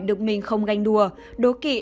được mình không ganh đùa đố kị